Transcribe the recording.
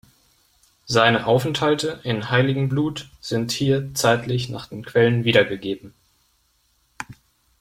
Seine Aufenthalte in Heiligenblut sind hier zeitlich nach den Quellen wiedergegeben.